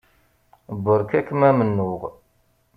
Beṛka-kem amennuɣ.